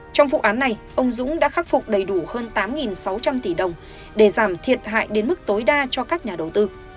trong vụ án này ông dũng đã khắc phục đầy đủ hơn tám sáu trăm linh tỷ đồng để giảm thiệt hại đến mức tối đa cho các nhà đầu tư